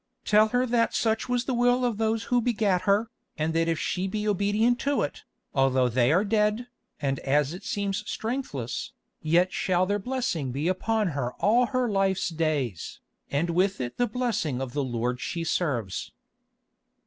Tell her that such was the will of those who begat her, and that if she be obedient to it, although they are dead, and as it seems strengthless, yet shall their blessing be upon her all her life's days, and with it the blessing of the Lord she serves."